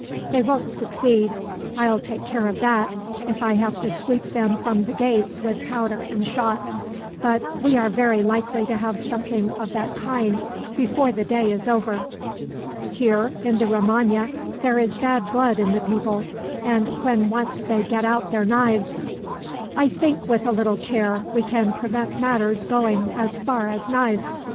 They won't succeed; I'll take care of that, if I have to sweep them from the gates with powder and shot. But we are very likely to have something of that kind before the day is over. Here in the Romagna there is bad blood in the people, and when once they get out their knives " "I think with a little care we can prevent matters going as far as knives.